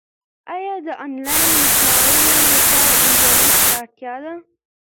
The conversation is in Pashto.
ایا د انلاین مشاعرو لپاره انټرنیټ ته اړتیا ده؟